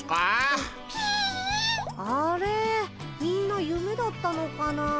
みんなゆめだったのかな？